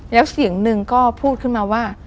แล้วเสียงหนึ่งก็พูดขึ้นมาว่า